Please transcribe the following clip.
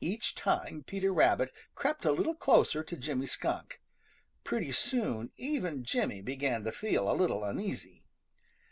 Each time Peter Rabbit crept a little closer to Jimmy Skunk. Pretty soon even Jimmy began to feel a little uneasy.